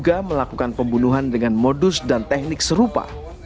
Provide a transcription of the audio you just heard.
wawon cs melakukan pembunuhan dengan modus dan teknik serupa